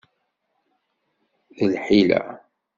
D lḥila!